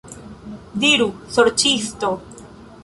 Diru, sorĉisto!